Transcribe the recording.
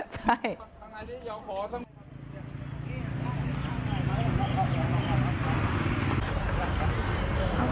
ใช่